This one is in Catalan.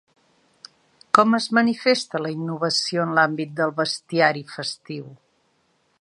Com es manifesta la innovació en l’àmbit del bestiari festiu?